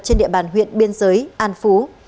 trên địa bàn huyện biên giới an phú